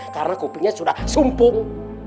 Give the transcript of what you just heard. karena kupingnya sudah sumpung